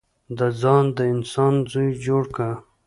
د ځانه د انسان زوی جوړ که.